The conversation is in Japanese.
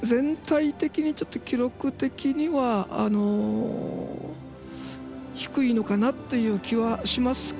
全体的に記録的には低いのかなという気はしますが。